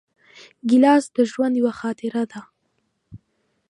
ګیلاس د ژوند یوه خاطره ده.